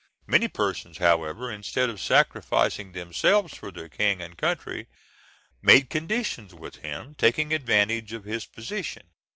Many persons, however, instead of sacrificing themselves for their king and country, made conditions with him, taking advantage of his position.